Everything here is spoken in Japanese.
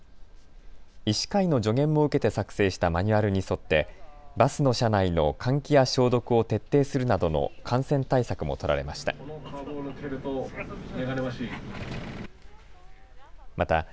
医師会の助言も受けて作成したマニュアルに沿ってバスの車内の換気や消毒を徹底するなどの感染対策も取られました。